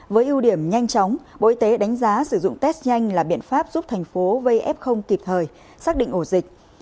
với ưu điểm nhanh chóng bộ y tế đánh giá sử dụng test nhanh là biện pháp giúp thành phố vây ép không kịp thời xác định ổ dịch